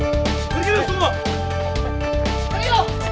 ya gua gak apa apa